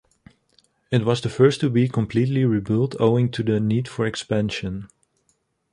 It was the first to be completely rebuilt owing to the need for expansion.